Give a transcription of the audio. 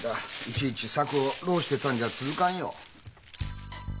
いちいち策を弄してたんじゃ続かんよ。